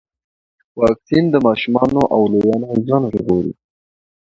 واکسین د ماشومانو او لویانو ژوند ژغوري.